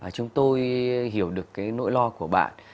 chúng tôi hiểu được cái nỗi lo của bạn